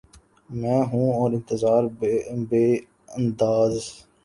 میں ہوں اور انتظار بے انداز